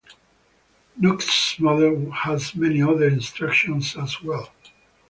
Knuth's model has many other instructions as well.